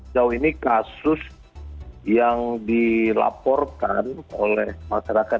jauh ini kasus yang dilaporkan oleh masyarakat